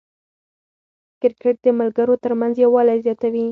کرکټ د ملګرو ترمنځ یووالی زیاتوي.